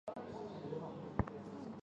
指令操作数的特征